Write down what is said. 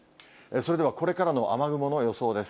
それではこれからの雨雲の予想です。